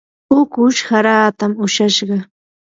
ukush haraata ushashqam.